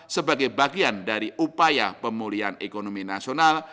sebagai bagian dari upaya pemulihan ekonomi nasional